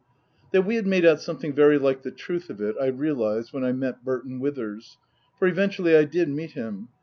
IX we had made out something very like the truth of it I realized when I met Burton Withers. For eventually I did meet him.